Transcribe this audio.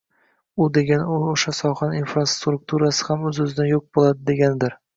U degani oʻsha sohaning infrastrukturasi ham oʻz oʻzidan yoʻq boʻladi deganidir.